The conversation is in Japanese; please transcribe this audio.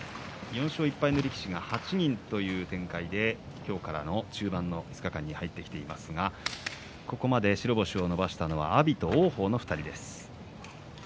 ４勝１敗の力士が８人という展開で今日からの中盤の５日間に入ってきていますがここまで白星を伸ばしたのは阿炎と王鵬の２人です。